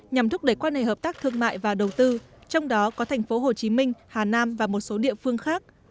nhằm thúc đẩy quan hệ hợp tác thương mại và đầu tư trong đó có thành phố hồ chí minh hà nam và một số địa phương khác